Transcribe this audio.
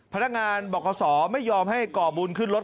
พนักงานบอกขอสอไม่ยอมให้ก่อบุญขึ้นรถ